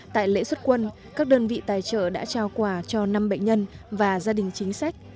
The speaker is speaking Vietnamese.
tại lễ xuất quân các đơn vị tài trợ đã trao quà cho năm bệnh nhân và gia đình chính sách